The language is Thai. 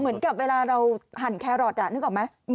เหมือนกับเวลาเราหั่นแครอทนึกออกไหม